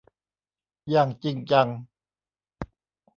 อย่างจริงจัง